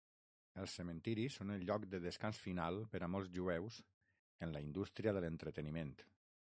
Els cementiris són el lloc de descans final per a molts jueus en la indústria de l'entreteniment.